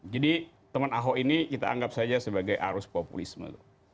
jadi teman ahok ini kita anggap saja sebagai arus populisme